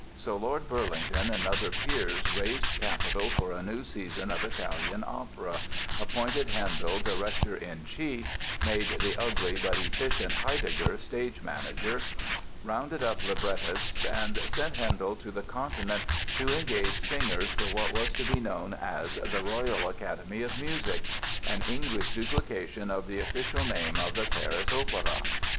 So Lord Burlington and other peers raised capital for a new season of Italian opera, appointed Handel director in chief, made the ugly but efficient Heidegger stage manager, rounded up librettists and sent Handel to the Continent to engage singers for what was to be known as "The Royal Academy of Music"—an English duplication of the official name of the Paris Opéra.